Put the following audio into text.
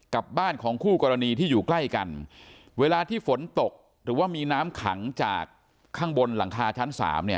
บ้านของคู่กรณีที่อยู่ใกล้กันเวลาที่ฝนตกหรือว่ามีน้ำขังจากข้างบนหลังคาชั้น๓เนี่ย